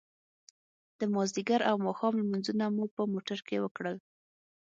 د ماذيګر او ماښام لمونځونه مو په موټر کې وکړل.